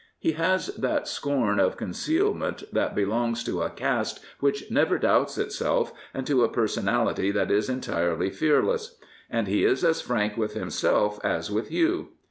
He has that scorn of conceal ment that belongs to a caste which never doubts itself and to a personality that is entirely fearless. And he is as frank with himself as with you.